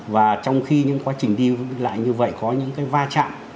và trong khi những quá trình đi lại như vậy có những cái va chạm